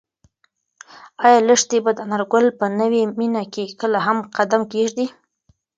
ایا لښتې به د انارګل په نوې مېنه کې کله هم قدم کېږدي؟